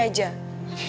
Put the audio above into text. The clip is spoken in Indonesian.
gak ada yang iya lah